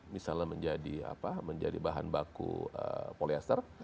misalnya menjadi bahan baku polyester